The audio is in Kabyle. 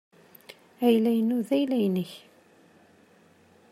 Ayla-inu d ayla-nnek.